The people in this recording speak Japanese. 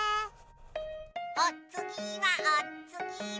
「おつぎはおつぎは」